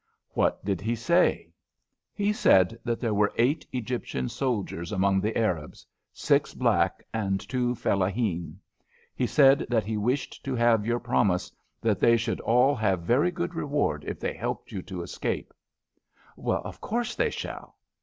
"What did he say?" "He said that there were eight Egyptian soldiers among the Arabs six black and two fellaheen. He said that he wished to have your promise that they should all have very good reward if they helped you to escape." "Of course they shall."